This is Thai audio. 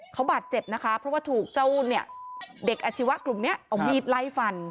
เขาบาดเจ็บนะคะเพราะว่าถูกเจ้าเนี่ยเด็กอาชีวะกลุ่มนี้เอามีดไล่ฟัน